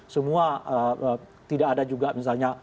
semua tidak ada juga misalnya